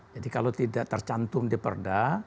kalau tidak tercantum di perda